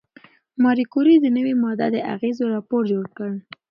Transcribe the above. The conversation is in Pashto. ماري کوري د نوې ماده د اغېزو راپور جوړ کړ.